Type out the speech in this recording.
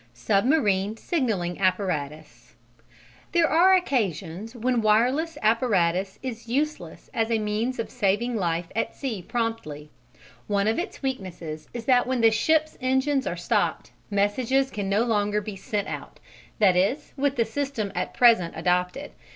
Submarine signalling apparatus There are occasions when wireless apparatus is useless as a means of saving life at sea promptly. One of its weaknesses is that when the ships' engines are stopped, messages can no longer be sent out, that is, with the system at present adopted.